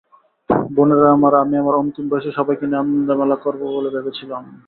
বোনেরা আমার, আমি আমার অন্তিম বয়সে সবাইকে নিয়ে আনন্দমেলা করব বলে ভেবেছিলাম।